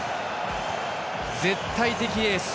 絶対的エース！